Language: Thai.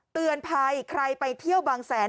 เตือนภัยใครไปเที่ยวบางแสน